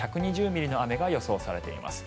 １２０ミリの雨が予想されています。